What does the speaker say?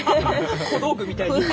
小道具みたいに。